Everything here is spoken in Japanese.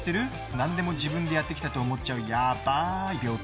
何でも自分でやってきたと思っちゃう、やばい病気。